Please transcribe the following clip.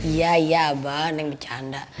iya iya abah neng bercanda